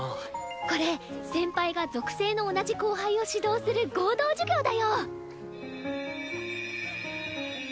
これ先輩が属性の同じ後輩を指導する合同授業だよ。